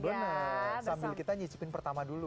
boleh sambil kita nyicipin pertama dulu